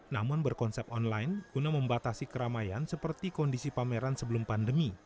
namun berkonsep online guna membatasi keramaian seperti kondisi pameran sebelum pandemi